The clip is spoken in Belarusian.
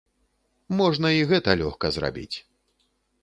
Можна і гэта лёгка зрабіць.